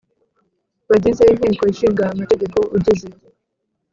bagize Inteko Ishinga Amategeko ugize